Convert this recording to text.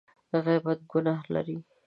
غیبت ګناه لري !